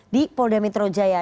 di polda metro jaya